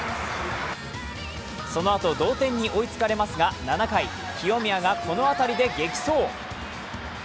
そのあと同点に追いつかれますが７回、清宮がこの当たりで激走。